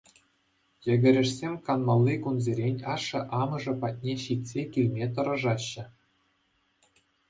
Йӗкӗрешсем канмалли кунсерен ашшӗ-амӑшӗ патне ҫитсе килме тӑрӑшаҫҫӗ.